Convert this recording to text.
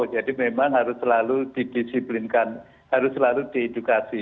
memang harus selalu didisiplinkan harus selalu diedukasi